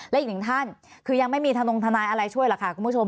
และอีกหนึ่งท่านคือยังไม่มีธนงทนายอะไรช่วยหรอกค่ะคุณผู้ชม